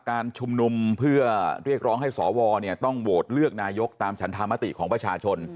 การชุมนุมเพื่อเรียกร้องให้สวต้องโหวตเลือกนายกตามฉันธรรมติของประชาชน